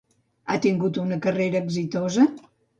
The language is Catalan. Ha tingut una carrera exitosa?